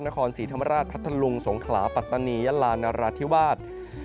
นครศรีธรรมราชพัทธลุงสงขลาปัตตานียะลานราธิวาส